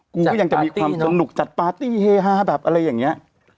กูก็ยังจะมีความสนุกจัดปาร์ตี้เฮฮาแบบอะไรอย่างนี้